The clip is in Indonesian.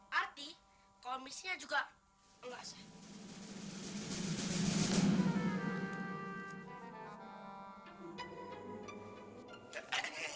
berarti komisinya juga enggak sayang